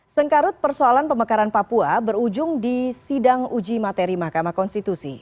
sengkarut persoalan pemekaran papua berujung di sidang uji materi mahkamah konstitusi